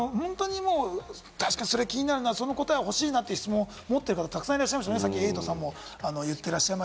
確かにそれは気になるな、その答え欲しいなという質問を持ってる方、たくさんいらっしゃいました。